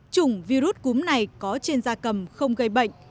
chủng virus cúm này có trên da cầm không gây bệnh